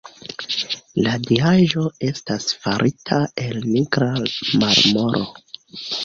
La diaĵo estas farita el nigra marmoro.